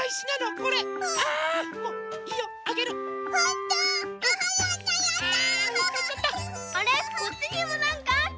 こっちにもなんかあった。